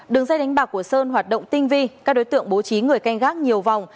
đường dây đánh bạc của sơn hoạt động tinh vi các đối tượng bố trí người canh gác nhiều vòng